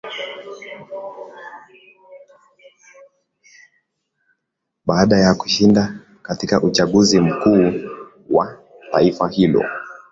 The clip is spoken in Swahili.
baada ya kushinda katika uchaguzi mkuu wa taifa hilo